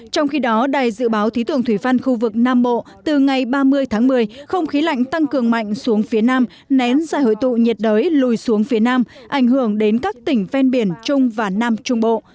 trong khi đó đài dự báo khí tượng thủy văn khu vực nam bộ từ ngày ba mươi tháng một mươi không khí lạnh tăng cường mạnh xuống phía nam nén giải hội tụ nhiệt đới lùi xuống phía nam ảnh hưởng đến các tỉnh ven biển trung và nam trung bộ